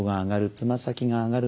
つま先が上がる。